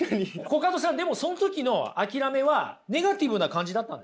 コカドさんでもその時の諦めはネガティブな感じだったんですか？